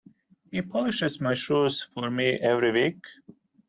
He polishes my shoes for me every week.